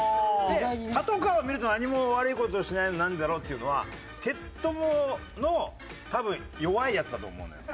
「パトカーを見ると何も悪い事してないのになんでだろう？」っていうのはテツトモの多分弱いやつだと思うのよ。